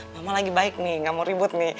mama lagi baik nih gak mau ribut nih